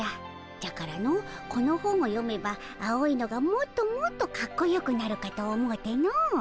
じゃからのこの本を読めば青いのがもっともっとかっこよくなるかと思うての。